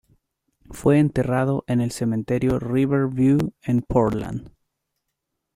Fue enterrado en el Cementerio River View, en Portland.